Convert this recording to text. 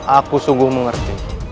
aku sungguh mengerti